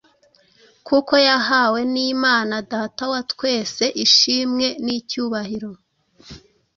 Kuko yahawe n’Imana Data wa twese ishimwe n’icyubahiro,